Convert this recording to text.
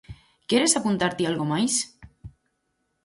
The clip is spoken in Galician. Queres apuntar ti algo máis?